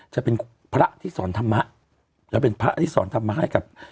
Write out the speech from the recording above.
จะเป็นพระที่สอนธรรมะแล้วเป็นพระที่สอนธรรมให้กับ